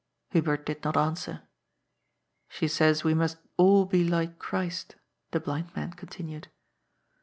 Hubert did not answer. ^' She says we must all be like Christ," the blind man continued.